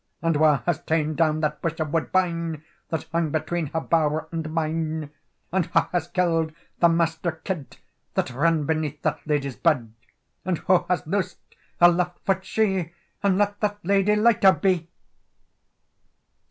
"And wha has ta'en down that bush of woodbine That hung between her bow'r and mine? And wha has kill'd the master kid That ran beneath that ladye's bed? And wha has loosed her left foot shee, And let that ladye lighter be?"